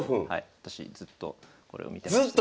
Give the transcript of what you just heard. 私ずっとこれを見てました。